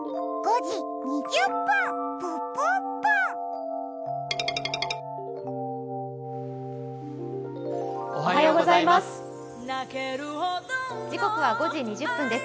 時刻は５時２０分です。